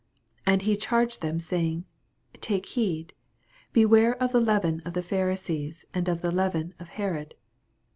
15 And he charged them, saying, Take heed, beware of the leaven of the Pharisees, and of the leaven of Herod.